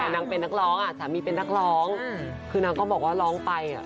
นางเป็นนักร้องอ่ะสามีเป็นนักร้องคือนางก็บอกว่าร้องไปอ่ะ